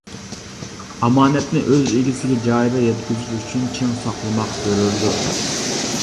ئامانەتنى ئۆز ئىگىسىگە جايىدا يەتكۈزۈش ئۈچۈن چىڭ ساقلىماق زۆرۈردۇر.